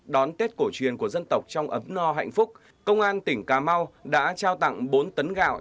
đón tết cổ truyền của dân tộc trong ấm no hạnh phúc công an tỉnh cà mau đã trao tặng bốn tấn gạo